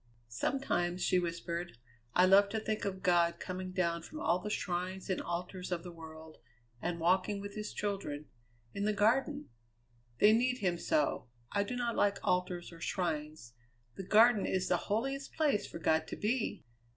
"Sometimes," she whispered, "I love to think of God coming down from all the shrines and altars of the world, and walking with his children in the Garden! They need him so. I do not like altars or shrines; the Garden is the holiest place for God to be!"